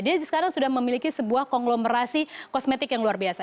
dia sekarang sudah memiliki sebuah konglomerasi kosmetik yang luar biasa